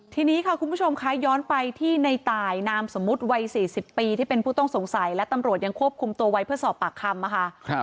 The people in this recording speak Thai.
ทีนี้ค่ะคุณผู้ชมคะย้อนไปที่ในตายนามสมมุติวัย๔๐ปีที่เป็นผู้ต้องสงสัยและตำรวจยังควบคุมตัวไว้เพื่อสอบปากคำนะคะ